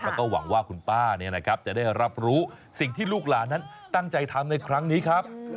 แล้วก็หวังว่าคุณป้าจะได้รับรู้สิ่งที่ลูกหลานนั้นตั้งใจทำในครั้งนี้ครับ